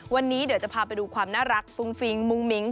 วันนี้เดี๋ยวจะพาไปดูความน่ารักฟุ้งฟิ้งมุ้งมิ้ง